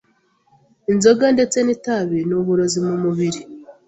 Inzoga ndetse n’itabi ni uburozi mu mubiri